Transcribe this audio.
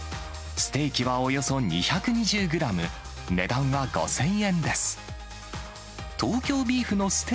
ステーキはおよそ２２０グラム、値段は５０００円です。